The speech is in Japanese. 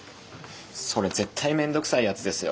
それ絶対面倒くさいやつですよ。